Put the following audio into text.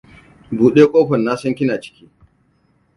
Bude kofar. Na san kina ciki.